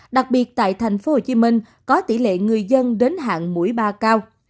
đặc biệt tại tp hcm có tỷ lệ người dân đến hạn mũi ba cao